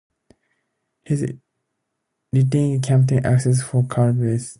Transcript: His lieutenant captain is accused of cowardice.